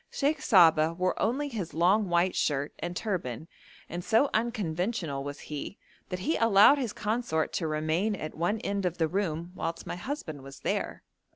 Sheikh Saba wore only his long white shirt and turban, and so unconventional was he that he allowed his consort to remain at one end of the room whilst my husband was there.